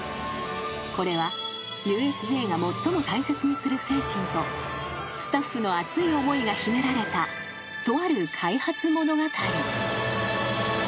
［これはＵＳＪが最も大切にする精神とスタッフの熱い思いが秘められたとある開発物語］